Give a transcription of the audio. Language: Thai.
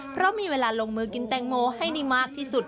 เพราะมีเวลาลงมือกินแตงโมให้ได้มากที่สุด